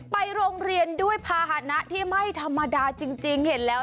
ไปโรงเรียนด้วยภาษณะที่ไม่ธรรมดาจริงเห็นแล้ว